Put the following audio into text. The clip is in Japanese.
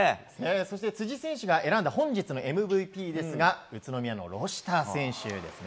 そして辻選手が選んだ本日のＭＶＰは宇都宮のロシター選手ですね。